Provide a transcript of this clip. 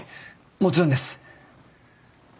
もちろんです。